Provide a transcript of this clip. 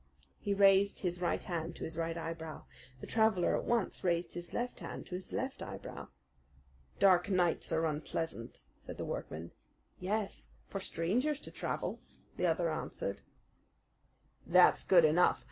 He raised his right hand to his right eyebrow. The traveller at once raised his left hand to his left eyebrow. "Dark nights are unpleasant," said the workman. "Yes, for strangers to travel," the other answered. "That's good enough.